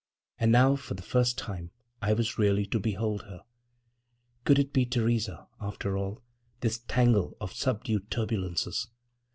And now, for the first time, I was really to behold her.... Could it be Theresa, after all, this tangle of subdued turbulences?